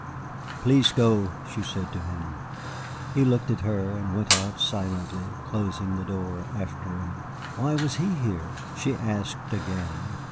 "Please go," she said to him. He looked at her, and went out silently, closing the doors after him. "Why was he here?" she asked again.